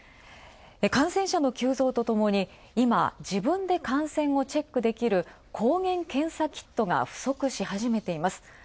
感染者の急増とともに、今自分で感染をチェックできる抗原検査キットが不足しはじめています。